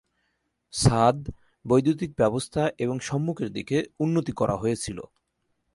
ছাদ, বৈদ্যুতিক ব্যবস্থা এবং সম্মুখের দিকে উন্নতি করা হয়েছিল।